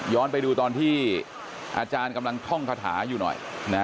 ไปดูตอนที่อาจารย์กำลังท่องคาถาอยู่หน่อย